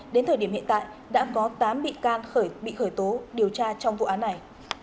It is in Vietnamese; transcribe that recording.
đến thời điểm hiện tại đã có tám bị can bị khởi tố điều tra trong vụ án này